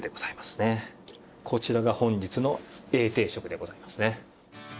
こちらが本日のＡ定食でございますね。